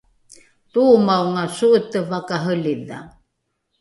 toomaonga so’ete vakarelidha